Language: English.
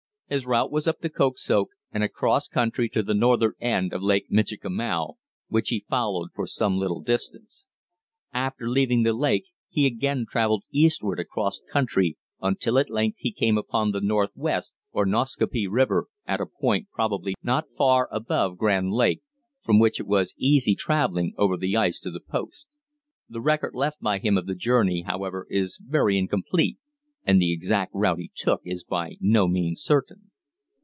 His route was up the Koksoak and across country to the northern end of Lake Michikamau, which he followed for some little distance. After leaving the lake he again travelled eastward across country until at length he came upon the "Northwest" or Nascaupee River at a point probably not far above Grand Lake, from which it was easy travelling over the ice to the post. The record left by him of the journey, however, is very incomplete, and the exact route he took is by no means certain.